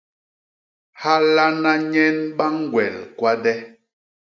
Halana nyen ba ñgwel kwade.